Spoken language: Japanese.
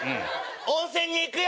温泉に行くよ！